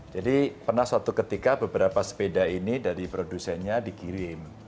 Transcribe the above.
jadi pernah suatu ketika beberapa sepeda ini dari produsennya dikirim